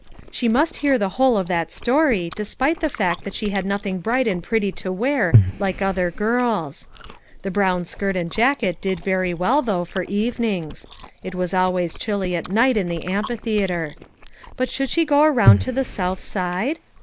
She must hear the whole of that story, despite the fact that she had nothing bright and pretty to wear, like other girls. The brown skirt and jacket did very well, though, for evenings; it was al ways chilly at night in the amphitheater. But should she go around to the south side?